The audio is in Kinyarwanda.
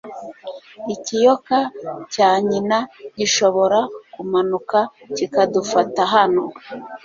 Ikiyoka cya nyina gishobora kumanuka kikadufata hano.